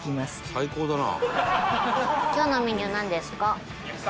「最高だな」